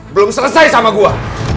belum selesai sama gua